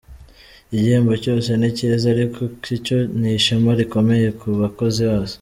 Igihembo cyose ni cyiza ariko iki cyo ni ishema rikomeye ku bakozi bose.